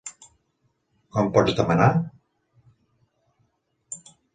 Com pots demanar.?